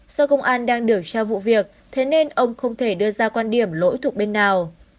do công an đang điều tra vụ việc thế nên ông không thể đưa ra quan điểm lỗi thuộc bên nào